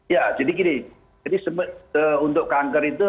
ya jadi gini jadi untuk kanker itu